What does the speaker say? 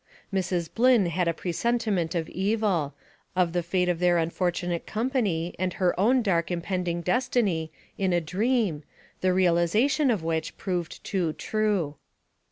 Mrs. Blynn had a presentiment of evil of the fate of their unfortunate company, and her own dark im pending destiny, in a dream, the realization of which proved too true.